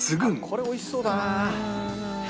これ美味しそうだな。